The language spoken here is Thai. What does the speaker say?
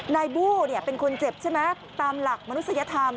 บู้เป็นคนเจ็บใช่ไหมตามหลักมนุษยธรรม